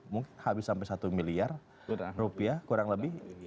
mungkin habis sampai satu miliar rupiah kurang lebih